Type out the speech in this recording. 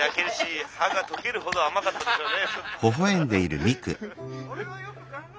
「歯が溶けるほど甘かったでしょうね」。